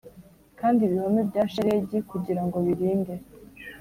kandi ibihome bya shelegi kugirango birinde.